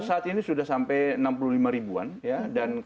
saat ini sudah sampai enam puluh lima ribuan